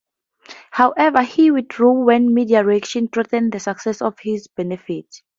However, "he withdrew when media reaction threatened the success of his benefit".